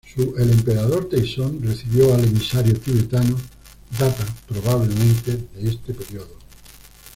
Su "El Emperador Taizong recibiendo al emisario tibetano" data, probablemente, de este periodo.